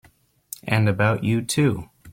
And about you too!